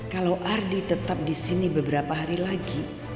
kalau ardi tetap di sini beberapa hari lagi